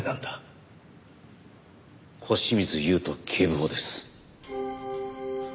小清水祐人警部補です。